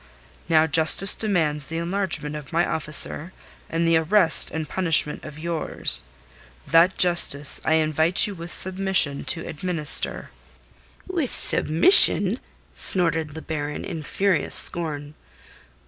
Now justice demands the enlargement of my officer and the arrest and punishment of yours. That justice I invite you, with submission, to administer." "With submission?" snorted the Baron in furious scorn.